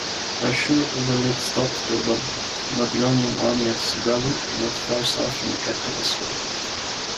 Ashur-uballit stopped the Babylonian army at Sugagu, not far south from the capital Assur.